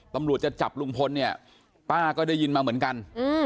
ตำรวจจะจับลุงพลเนี่ยป้าก็ได้ยินมาเหมือนกัน